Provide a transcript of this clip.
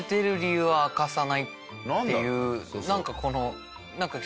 っていうなんかこの。